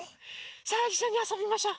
さあいっしょにあそびましょ！